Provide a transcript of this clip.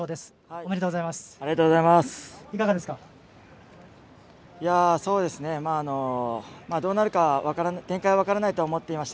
おめでとうございます。